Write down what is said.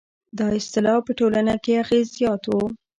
دا اصطلاح په ټولنه کې اغېز زیات و.